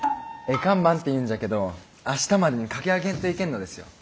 絵看板っていうんじゃけど明日までに描き上げんといけんのですよ。